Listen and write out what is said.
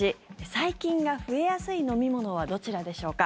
細菌が増えやすい飲み物はどちらでしょうか？